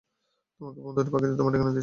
তোমার বন্ধু পাখিটা তোমার ঠিকানা দিয়েছিল।